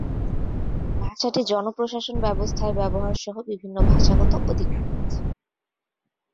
ভাষাটি জন প্রশাসন ব্যবস্থায় ব্যবহার সহ বিভিন্ন ভাষাগত অধিকার পেয়েছে।